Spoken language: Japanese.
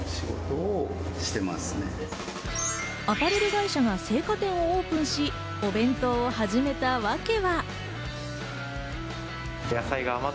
アパレル会社が青果店をオープンし、お弁当を始めたわけは。